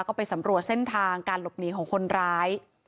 ก็ไปสำรวจเส้นทางการหลบหนีของคนร้าย